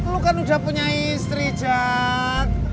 lo kan udah punya istri cak